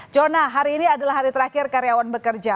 jona hari ini adalah hari terakhir karyawan bekerja